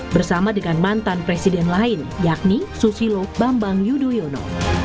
bersama dengan mantan presiden lain yakni susilo bambang yudhoyono